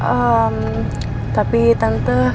ehm tapi tante